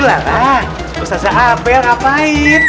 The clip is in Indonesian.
ah ustazah apel ngapain